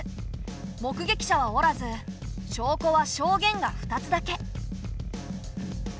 目撃者はおらず証拠は証言が２つだけ。